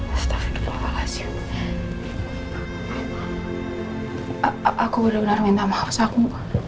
aku benar benar minta maaf saku